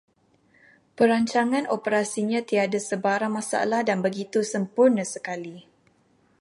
Perancangan operasinya tiada sebarang masalah dan begitu sempurna sekali